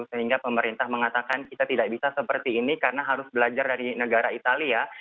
sehingga pemerintah mengatakan kita tidak bisa seperti ini karena harus belajar dari negara italia